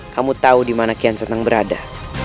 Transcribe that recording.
kamu tahu dimana kian senteng berada